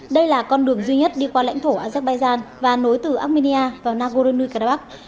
đây là con đường duy nhất đi qua lãnh thổ azerbaijan và nối từ armenia vào nagorno karabakh